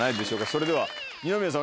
それでは二宮さん